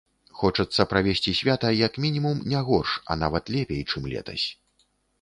Хочацца правесці свята як мінімум не горш, а нават лепей, чым летась.